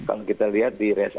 kalau kita lihat di resep